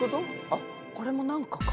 あっこれもなんかか。